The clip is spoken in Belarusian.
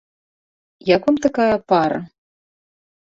Як вам такая пара?